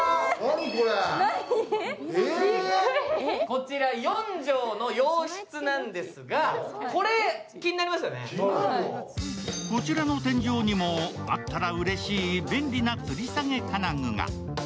こちら４畳の洋室なんですがこちらの天井にもあったらうれしい便利なつり下げ金具が。